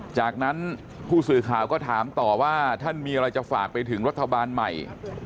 จากนั้นผู้สื่อข่าวก็ถามต่อว่าท่านมีอะไรจะฝากไปถึงรัฐบาลใหม่